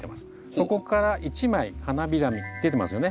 そこから１枚花びら出てますよね？